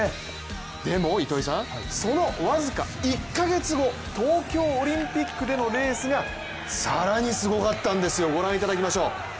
でもその僅か１か月後東京オリンピックでのレースが更にすごかったんですよ、ご覧いただきましょう。